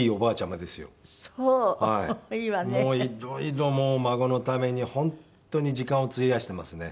もう色々孫のために本当に時間を費やしていますね。